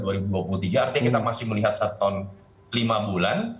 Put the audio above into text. artinya kita masih melihat satu ton lima bulan